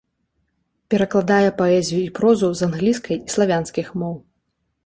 Перакладае паэзію і прозу з англійскай і славянскіх моў.